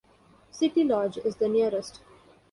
Citylodge is the nearest.